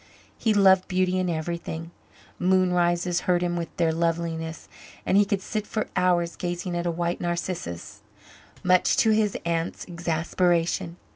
He loved beauty in everything. Moonrises hurt him with their loveliness and he could sit for hours gazing at a white narcissus much to his aunt's exasperation.